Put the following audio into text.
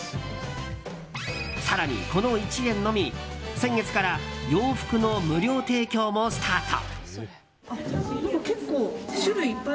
更に、この１園のみ先月から洋服の無料提供もスタート。